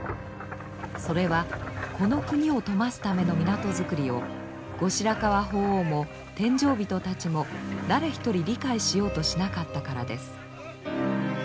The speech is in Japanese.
それはこの国を富ますための港づくりを後白河法皇も殿上人たちも誰一人理解しようとしなかったからです。